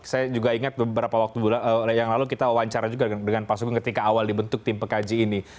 saya juga ingat beberapa waktu yang lalu kita wawancara juga dengan pak sugeng ketika awal dibentuk tim pekaji ini